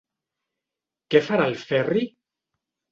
Què farà el Ferri?